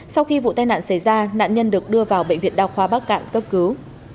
sau khi vụ tai nạn xảy ra nạn nhân được đưa vào bệnh viện đa khoa bắc cạn cấp cứu